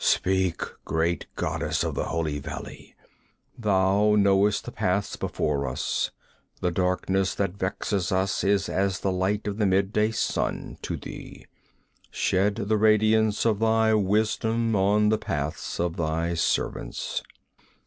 Speak, great goddess of the holy valley! Thou knowest the paths before us; the darkness that vexes us is as the light of the midday sun to thee. Shed the radiance of thy wisdom on the paths of thy servants!